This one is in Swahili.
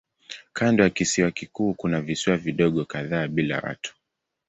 Kando ya kisiwa kikuu kuna visiwa vidogo kadhaa bila watu.